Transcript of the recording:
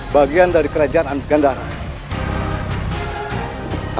bagian dari kerajaan gandara